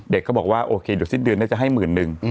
ก็บอกว่าโอเคเดี๋ยวสิ้นเดือนน่าจะให้หมื่นนึง